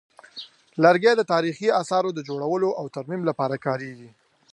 لرګي د تاریخي اثارو د جوړولو او ترمیم لپاره کارېږي.